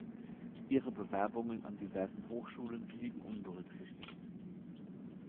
Ihre Bewerbungen an diversen Hochschulen blieben unberücksichtigt.